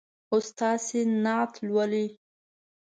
اوس تاسې نعت لولئ.